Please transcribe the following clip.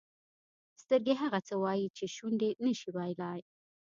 سترګې هغه څه وایي چې شونډې نه شي ویلای.